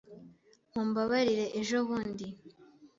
Mumbabarire ejobundi.